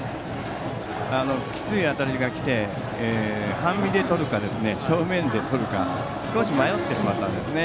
きつい当たりが来て半身でとるか、正面でとるか少し迷ってしまったんですね。